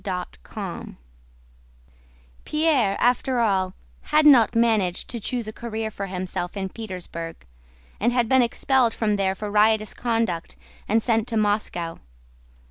CHAPTER XVI Pierre, after all, had not managed to choose a career for himself in Petersburg, and had been expelled from there for riotous conduct and sent to Moscow.